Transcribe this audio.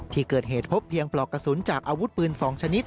ที่เกิดเหตุพบเพียงปลอกกระสุนจากอาวุธปืน๒ชนิด